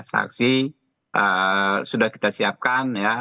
saksi sudah kita siapkan ya